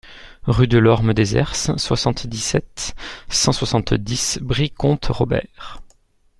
Rue de l'Orme des Herses, soixante-dix-sept, cent soixante-dix Brie-Comte-Robert